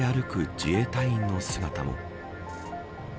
自衛隊員の姿も。